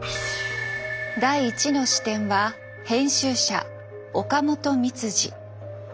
第１の視点は編集者岡本三司。